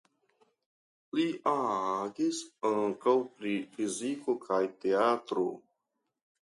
Li agis ankaŭ pri fiziko kaj teatro.